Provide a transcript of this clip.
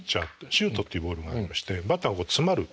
シュートっていうボールがありましてバッターがこう詰まる。